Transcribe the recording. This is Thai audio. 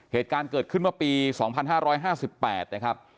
เหตุการณ์เกิดขึ้นเมื่อปี๒๕๕๘นะครับ